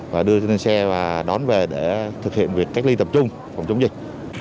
và đưa trên xe và đón về để thực hiện việc cách ly tập trung phòng chống dịch